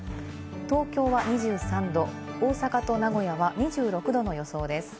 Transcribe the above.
東京は２３度、大阪と名古屋は２６度の予想です。